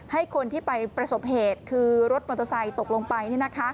ให้คนที่ไปประสบเหตุคือรถมอเตอร์ไซค์ตกลงไป